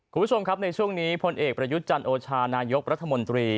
คุณผู้ชมครับในช่วงนี้พลเอกประยุทธ์จันโอชานายกรัฐมนตรี